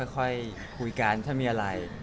แล้วก็คร่อยคุยกันถ้ามีอะไร